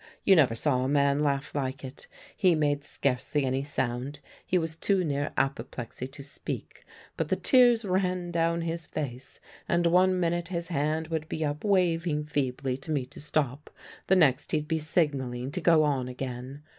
You never saw a man laugh like it. He made scarcely any sound; he was too near apoplexy to speak; but the tears ran down his face, and one minute his hand would be up waving feebly to me to stop, the next he'd be signalling to go on again.